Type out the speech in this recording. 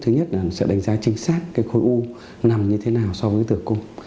thứ nhất là sẽ đánh giá chính xác cái khối u nằm như thế nào so với tử cung